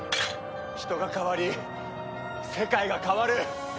人が変わり世界が変わる。